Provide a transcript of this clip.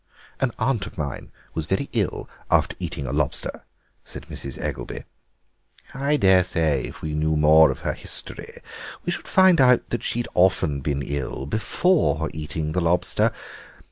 "An aunt of mine was very ill after eating a lobster," said Mrs. Eggelby. "I daresay, if we knew more of her history, we should find out that she'd often been ill before eating the lobster.